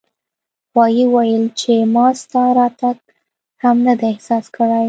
غوایي وویل چې ما ستا راتګ هم نه دی احساس کړی.